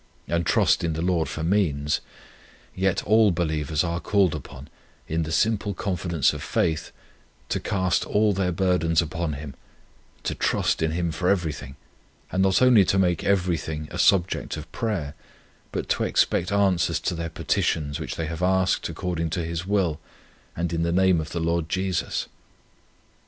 and trust in the Lord for means; yet all believers are called upon, in the simple confidence of faith, to cast all their burdens upon Him, to trust in Him for everything, and not only to make every thing a subject of prayer, but to expect answers to their petitions which they have asked according to His will, and in the name of the Lord Jesus.